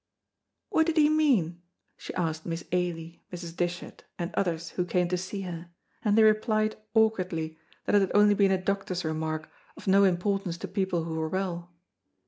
"What did he mean?" she asked Miss Ailie, Mrs. Dishart, and others who came to see her, and they replied awkwardly, that it had only been a doctor's remark, of no importance to people who were well.